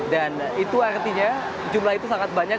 dan itu artinya jumlah itu sangat banyak